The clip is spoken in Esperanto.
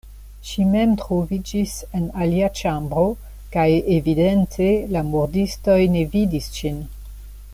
Ŝi mem troviĝis en alia ĉambro kaj evidente la murdistoj ne vidis ŝin.